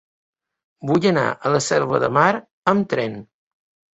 Vull anar a la Selva de Mar amb tren.